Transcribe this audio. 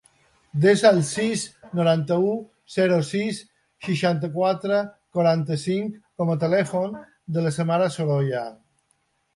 Desa el sis, noranta-u, zero, sis, seixanta-quatre, quaranta-cinc com a telèfon de la Samara Sorolla.